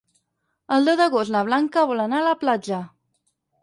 El deu d'agost na Blanca vol anar a la platja.